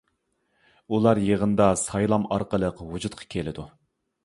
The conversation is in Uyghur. ئۇلار يىغىندا سايلام ئارقىلىق ۋۇجۇدقا كېلىدۇ.